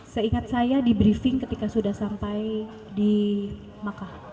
seingat saya di briefing ketika sudah sampai di makkah